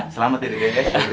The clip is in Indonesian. selamat ya dede sorry